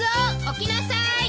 起きなさーい！